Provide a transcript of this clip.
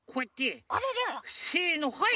せのはい。